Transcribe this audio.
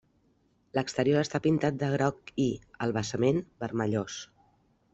L'exterior està pintat de groc i, el basament, vermellós.